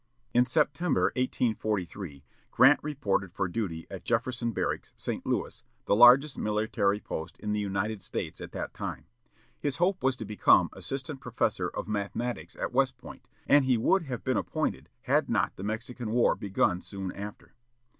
In September, 1843, Grant reported for duty at Jefferson Barracks, St. Louis, the largest military post in the United States at that time. His hope was to become assistant professor of mathematics at West Point, and he would have been appointed had not the Mexican War begun soon after.